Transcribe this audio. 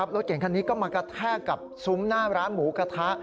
รถเก่งคันนี้ก็มากระแทกกับซุ้มหน้าร้านหมูกระทะ